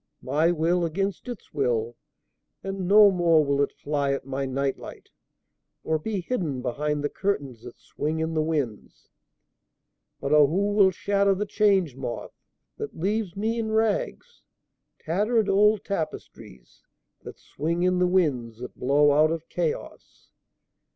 My will against its will, and no more will it fly at my night light or be hidden behind the curtains that swing in the winds.(But O who will shatter the Change Moth that leaves me in rags—tattered old tapestries that swing in the winds that blow out of Chaos!)